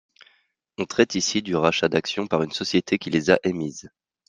On traite ici du rachat d’actions par une société qui les a émises.